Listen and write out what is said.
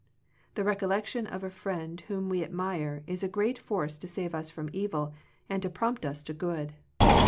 The recollection of a friend whom we admire is a great force to save us from evil, and to prompt us to good.